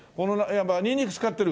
ニンニク使ってる？